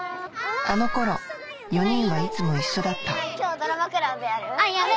あの頃４人はいつも一緒だった今日ドラマクラブやる？